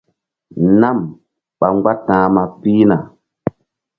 Nam ɓa mgbáta̧hma pihna.